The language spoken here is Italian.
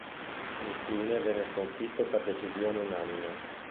Infine venne sconfitto per decisione unanime.